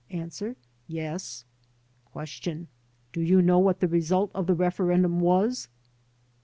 A. "Yes." Q. "Do you know what the result of the referendum was?"